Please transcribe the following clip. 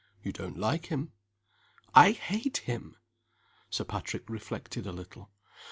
"You don't like him?" "I hate him!" Sir Patrick reflected a little.